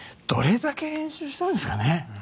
どれだけ練習したんですかね。